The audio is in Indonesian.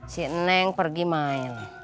si neng pergi main